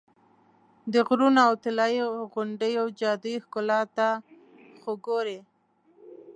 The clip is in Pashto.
د غرونو او طلایي غونډیو جادویي ښکلا ته خو ګورې.